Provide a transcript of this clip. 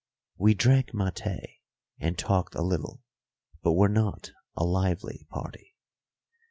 We drank maté and talked a little, but were not a lively party.